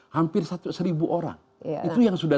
hampir satu orang itu yang sudah